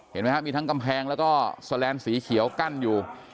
เห็นไหมครับมีทั้งกำแพงแล้วก็แสลนดสีเขียวกั้นอยู่